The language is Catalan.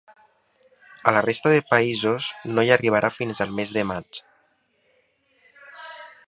A la resta de països no hi arribarà fins el mes de maig.